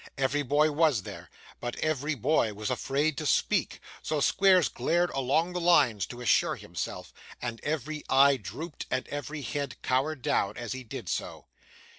Every boy was there, but every boy was afraid to speak, so Squeers glared along the lines to assure himself; and every eye drooped, and every head cowered down, as he did so.